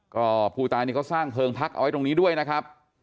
ก็ผู้ตายนี่เขาสร้างเพลิงพักเอาไว้ตรงนี้ด้วยนะครับ